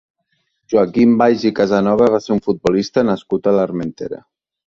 Joaquim Valls i Casanova va ser un futbolista nascut a l'Armentera.